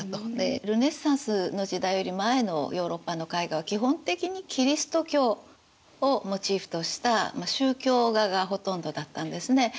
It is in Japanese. ルネサンスの時代より前のヨーロッパの絵画は基本的にキリスト教をモチーフとした宗教画がほとんどだったんですね。